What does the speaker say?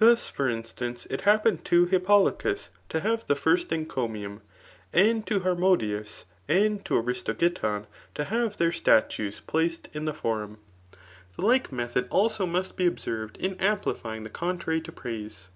Thoa^ finr iMtxoctf k happened to Hippolochus to have the first eacomiuiDy and to Hbor modiusy and to Aristogiton to have their statues placed in the forum. The like method also must be observed in amplifying the contrary to praise.